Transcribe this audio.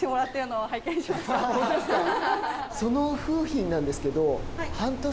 その楓浜なんですけど。